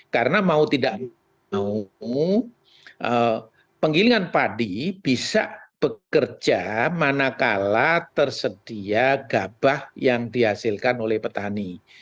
karena mau tidak penggilingan padi bisa bekerja manakala tersedia gabah yang dihasilkan oleh petani